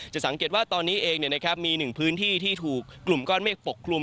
สังเกตว่าตอนนี้เองมีหนึ่งพื้นที่ที่ถูกกลุ่มก้อนเมฆปกคลุม